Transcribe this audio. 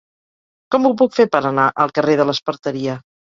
Com ho puc fer per anar al carrer de l'Esparteria?